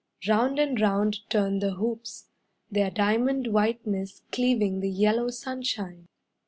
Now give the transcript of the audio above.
Round and round turn the hoops, Their diamond whiteness cleaving the yellow sunshine.